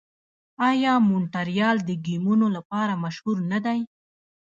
آیا مونټریال د ګیمونو لپاره مشهور نه دی؟